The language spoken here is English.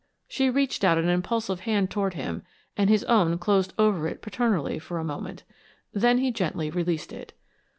She reached out an impulsive hand toward him, and his own closed over it paternally for a moment. Then he gently released it.